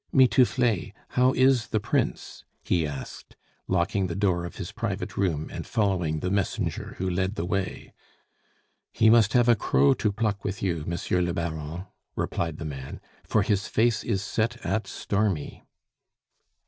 "Mitouflet, how is the Prince?" he asked, locking the door of his private room and following the messenger who led the way. "He must have a crow to pluck with you, Monsieur le Baron," replied the man, "for his face is set at stormy."